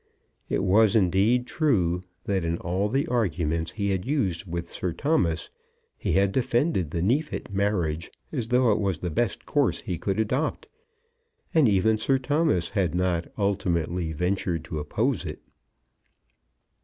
It was, indeed, true that in all the arguments he had used with Sir Thomas he had defended the Neefit marriage as though it was the best course he could adopt; and even Sir Thomas had not ultimately ventured to oppose it.